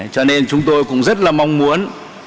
cho nên chúng tôi cũng rất là mong muốn